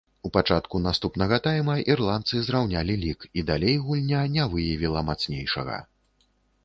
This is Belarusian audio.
У пачатку наступнага тайма ірландцы зраўнялі лік і далей гульня не выявіла мацнейшага.